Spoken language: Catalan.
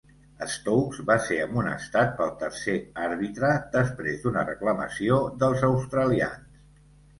Stokes va ser amonestat pel tercer àrbitre després d'una reclamació dels australians.